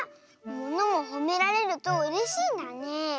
ものもほめられるとうれしいんだね。